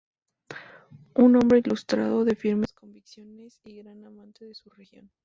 Un hombre ilustrado, de firmes convicciones y gran amante de su región.